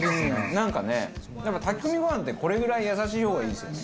なんかねやっぱ炊き込みご飯ってこれぐらい優しい方がいいですよね。